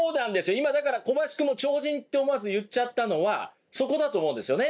今だから小林くんも超人って思わず言っちゃったのはそこだと思うんですよね。